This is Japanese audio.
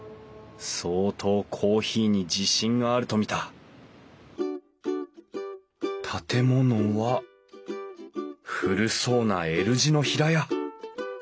相当コーヒーに自信があると見た建物は古そうなＬ字の平屋。